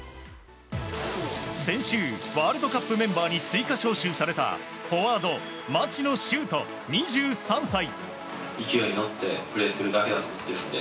先週ワールドカップメンバーに追加招集されたフォワード、町野修斗、２３歳。